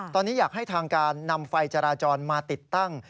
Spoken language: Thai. ตอนนี้อยากให้ทางการนำไฟจราจรมาติดตั้ง